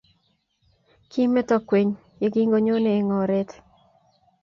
Kimeto kwenye ye kingonyone eng oret,